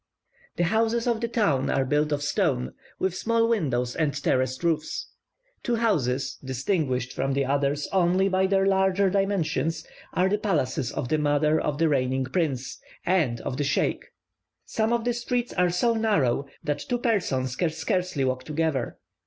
The houses of the town are built of stone, with small windows and terraced roofs. Two houses, distinguished from the others only by their larger dimensions, are the palaces of the mother of the reigning prince, and of the sheikh (governor). Some of the streets are so narrow that two persons can scarcely walk together.